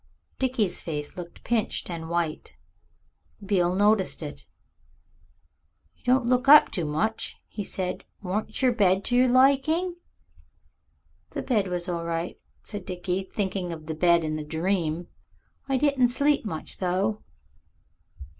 Dickie's face looked pinched and white. Beale noticed it. "You don't look up to much," he said; "warn't your bed to your liking?" "The bed was all right," said Dickie, thinking of the bed in the dream. "I diden sleep much, though."